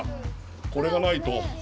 これがないと。